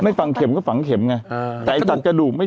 อ้าวไป